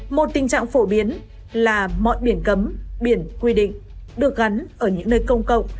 một tình trạng phổ biến là mọi biển cấm biển quy định được gắn ở những nơi công cộng